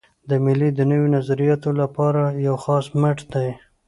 مېلې د نوو نظریاتو له پاره یو خلاص مټ دئ.